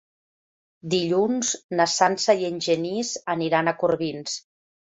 Dilluns na Sança i en Genís aniran a Corbins.